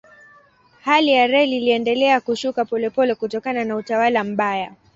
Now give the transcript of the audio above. Hali ya reli iliendelea kushuka polepole kutokana na utawala mbaya.